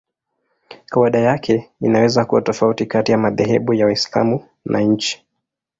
Kawaida yake inaweza kuwa tofauti kati ya madhehebu ya Waislamu na nchi.